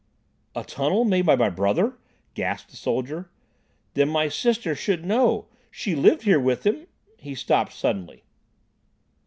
"A tunnel made by my brother!" gasped the soldier. "Then my sister should know—she lived here with him—" He stopped suddenly.